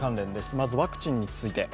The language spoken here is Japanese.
まずワクチンについて。